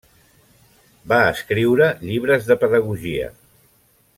Va escriure llibres de pedagogia.